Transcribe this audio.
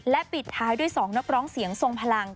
ปิดท้ายด้วย๒นักร้องเสียงทรงพลัง